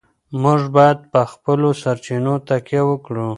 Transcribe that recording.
موږ باید په خپلو سرچینو تکیه وکړو.